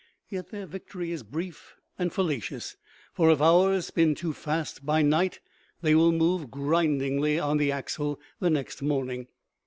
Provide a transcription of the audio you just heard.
Yet their victory is brief and fallacious, for if hours spin too fast by night they will move grindingly on the axle the next morning.